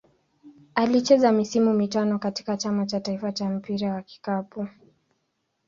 Alicheza misimu mitano katika Chama cha taifa cha mpira wa kikapu.